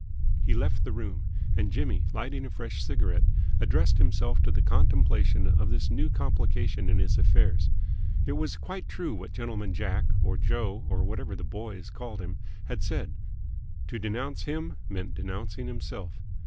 He left the room, and Jimmy, lighting a fresh cigarette, addressed himself to the contemplation of this new complication in his affairs. It was quite true what Gentleman Jack or Joe or whatever the "boys" called him had said. To denounce him meant denouncing himself.